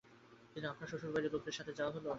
কিন্তু আপনার শ্বশুর বাড়ির লোকদের সাথে যা হলো?